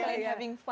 latihan having fun